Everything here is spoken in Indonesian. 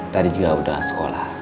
tadi juga udah sekolah